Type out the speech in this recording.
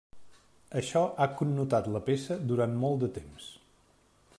Això ha connotat la peça durant molt de temps.